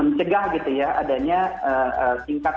untuk mereka yang mundur setelah dinyatakan lulus